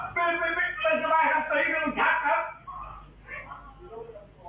กระป๋าแม่งมา